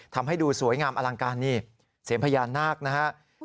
ทำให้ดูสวยงามอลังการนี่เสียงพญานาคนะครับ